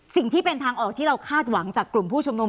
สิ่งที่เป็นทางออกที่เราคาดหวังจากกลุ่มผู้ชุมนุม